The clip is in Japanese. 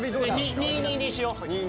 ２：２にしよう。